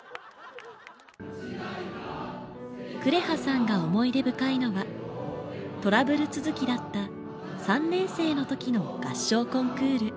紅羽さんが思い出深いのはトラブル続きだった３年生の時の合唱コンクール。